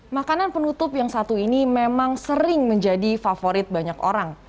makanan penutup yang satu ini memang sering menjadi favorit banyak orang